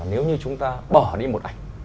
nếu như chúng ta bỏ đi một ảnh